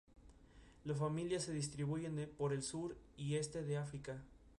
La familia se distribuye por el sur y este de África.